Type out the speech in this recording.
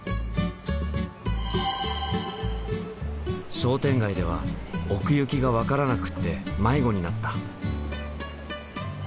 商店街では奥行きが分からなくって迷子になった。